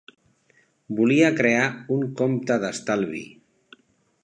Volia crear un compte d'estalvi.